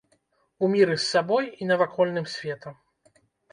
У міры з сабой і навакольным светам.